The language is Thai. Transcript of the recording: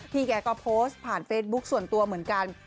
แกก็โพสต์ผ่านเฟซบุ๊คส่วนตัวเหมือนกัน